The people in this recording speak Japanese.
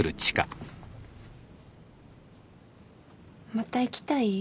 ・また行きたい？